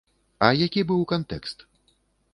А які быў кантэкст?